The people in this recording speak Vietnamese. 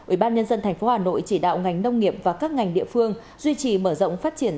ủy ban nhân dân thành phố hà nội chỉ đạo ngành nông nghiệp và các ngành địa phương duy trì mở rộng phát triển